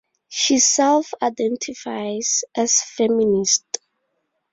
She self-identifies as feminist.